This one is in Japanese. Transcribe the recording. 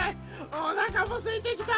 おなかもすいてきた。